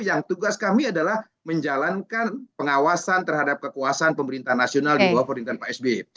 yang tugas kami adalah menjalankan pengawasan terhadap kekuasaan pemerintah nasional di bawah pemerintahan pak sby